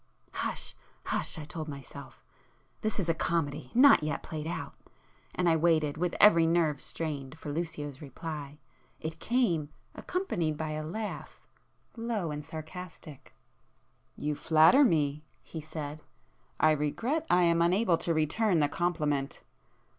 "Hush,—hush!" I told myself "This is a comedy—not yet played out!" And I waited, with every nerve strained, for Lucio's reply. It came, accompanied by a laugh, low and sarcastic. "You flatter me!" he said—"I regret I am unable to return the compliment!"